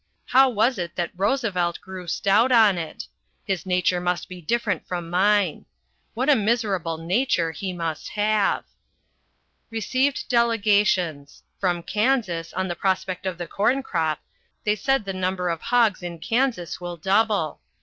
How was it that Roosevelt grew stout on it? His nature must be different from mine. What a miserable nature he must have. Received delegations. From Kansas, on the prospect of the corn crop: they said the number of hogs in Kansas will double.